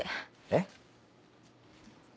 えっ？